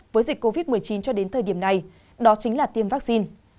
với dịch covid một mươi chín cho đến thời điểm này đó chính là tiêm vaccine